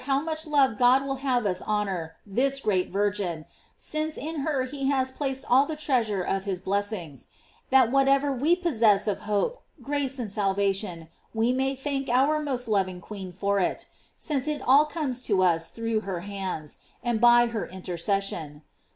389 much love God will have us honor this great Virgin, since in her he has placed all the treas ure of his blessings; that whatever we possess of hope, grace, and salvation, we may thank our most loving queen for it; since it all comes to us through her hands, and by her interces sion.